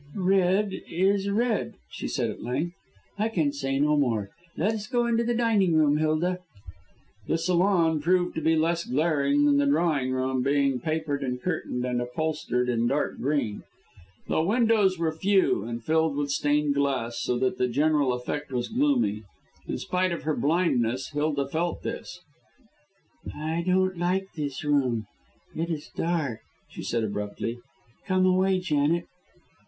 "Red is red," she said at length. "I can say no more. Let us go into the dining room, Hilda." The salon proved to be less glaring than the drawing room, being papered and curtained and upholstered in dark green. The windows were few and filled with stained glass, so that the general effect was gloomy. In spite of her blindness, Hilda felt this. "I don't like this room, it is dark," she said abruptly. "Come away, Janet."